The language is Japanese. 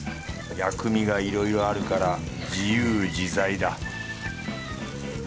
薬味がいろいろあるから自由自在だ